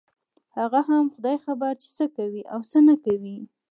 هغه هم خداى خبر چې څه کوي او څه نه کوي.